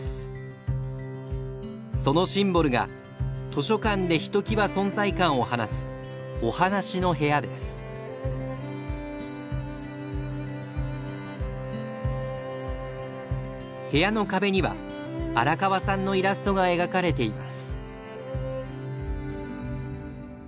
そのシンボルが図書館でひときわ存在感を放つ部屋の壁には荒川さんのイラストが描かれています。